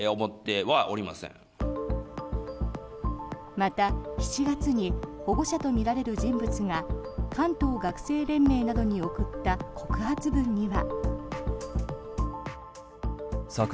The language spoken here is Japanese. また、７月に保護者とみられる人物が関東学生連盟などに送った告発文には。